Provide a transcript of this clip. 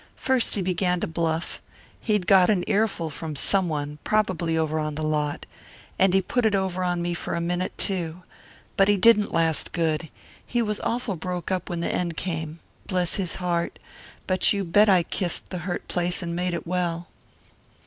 First he began to bluff. He'd got an earful from someone, probably over on the lot. And he put it over on me for a minute, too. But he didn't last good. He was awful broke up when the end came. Bless his heart. But you bet I kissed the hurt place and made it well.